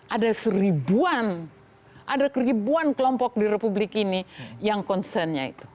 ada seribuan ada ribuan kelompok di republik ini yang concernnya itu